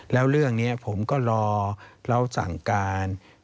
แล้วเรื่องนี้ผมก็รอเราสั่งการ